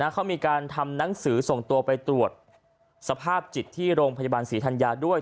เขามีการทำหนังสือส่งตัวไปตรวจสภาพจิตที่โรงพยาบาลศรีธัญญาด้วย